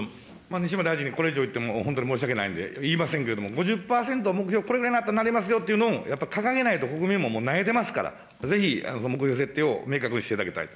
西村大臣にこれ以上、言っても本当に申し訳ないんで言いませんけれども、５０％目標、これぐらいになりますよというのをやっぱり掲げないと、国民ももうなえてますから、ぜひとも目標設定を明確にしていただきたいと。